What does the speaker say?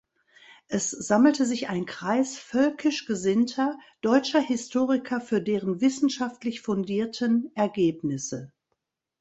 Es sammelte sich ein Kreis völkisch gesinnter, deutscher Historiker für deren wissenschaftlich fundierten Ergebnisse.